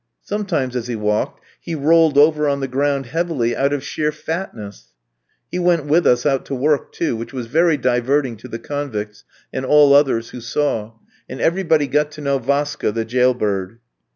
Sometimes as he walked, he rolled over on the ground heavily out of sheer fatness. He went with us out to work too, which was very diverting to the convicts and all others who saw; and everybody got to know Vaska, the jailbird.